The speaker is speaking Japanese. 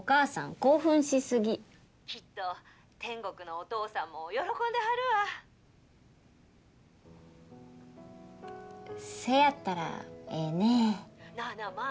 興奮しすぎきっと天国のお父さんも喜んではるわせやったらええねなあなあまー